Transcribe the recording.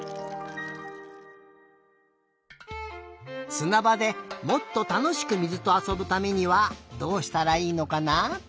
すなばでもっとたのしく水とあそぶためにはどうしたらいいのかな？